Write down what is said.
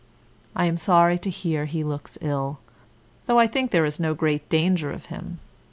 I am sorry to hear he looks ill, though I think there is no great danger of him.